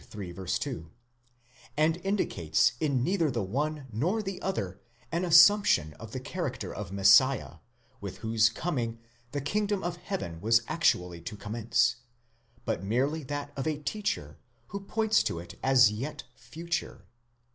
2) ; and indicates in neither the one nor the other an assumption of the character of Messiah, with whose coming the kingdom of heaven was actually to commence, but merely that of a teacher who points to it as yet future.